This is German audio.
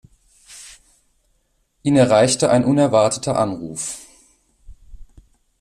Ihn erreichte ein unerwarteter Anruf.